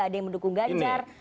ada yang mendukung ganjar